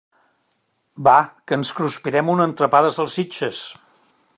Va, que ens cruspirem un entrepà de salsitxes.